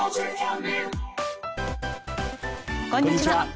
こんにちは。